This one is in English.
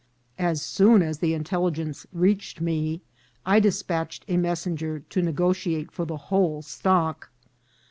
As soon as the intelligence reached me, I despatched a messen ger to negotiate for the whole stock.